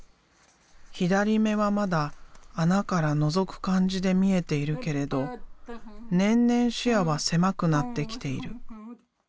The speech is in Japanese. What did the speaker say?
左目はまだ穴からのぞく感じで見えているけれど年々視野は狭くなってきている。